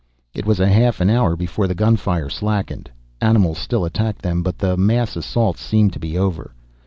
It was a half an hour before the gunfire slackened. Animals still attacked them, but the mass assaults seemed to be over.